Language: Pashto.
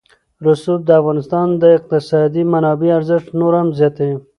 رسوب د افغانستان د اقتصادي منابعو ارزښت نور هم زیاتوي.